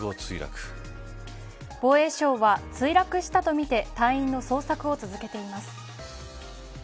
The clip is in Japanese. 防衛省は墜落したとみて隊員の捜索を続けています。